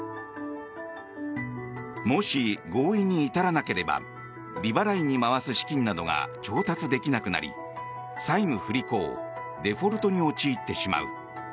もし、合意に至らなければ利払いに回す資金などが調達できなくなり債務不履行、デフォルトに陥ってしまう。